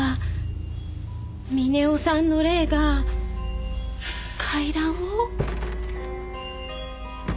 峰夫さんの霊が階段を？